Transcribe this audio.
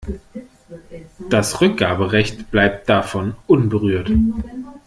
Das Rückgaberecht bleibt davon unberührt.